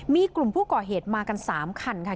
มีกลุ่มผู้ก่อเหตุมากัน๓คันค่ะ